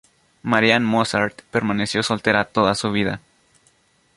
Marianne Mozart permaneció soltera toda su vida.